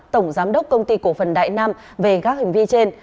tổng giám đốc công ty cổ phần đại nam về các hành vi trên